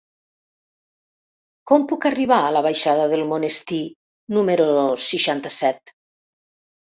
Com puc arribar a la baixada del Monestir número seixanta-set?